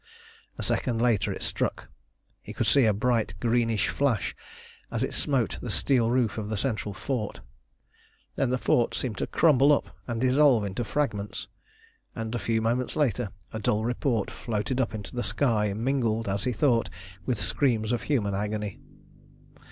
A second later it struck. He could see a bright greenish flash as it smote the steel roof of the central fort. Then the fort seemed to crumble up and dissolve into fragments, and a few moments later a dull report floated up into the sky mingled, as he thought, with screams of human agony.